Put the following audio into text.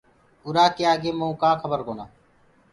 ارآ ڪي آگي مڪوُ ڪآ کبر ڪونآ هي۔